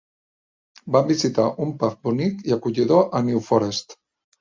Vam visitar un pub bonic i acollidor a New Forest.